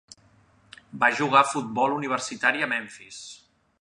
Va jugar a futbol universitari a Memphis.